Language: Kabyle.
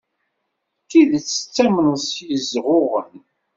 D tidet tettamneḍ s yezɣuɣen?